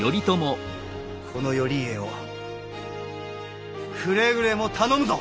この頼家をくれぐれも頼むぞ！